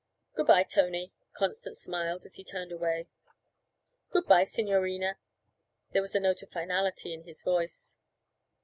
'Good bye, Tony,' Constance smiled as he turned away. 'Good bye, signorina.' There was a note of finality in his voice.